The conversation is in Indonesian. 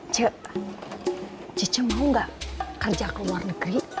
ce cece mau nggak kerja ke luar negeri